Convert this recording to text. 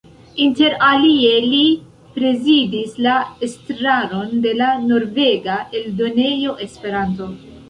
Interalie, li prezidis la estraron de la norvega Eldonejo Esperanto.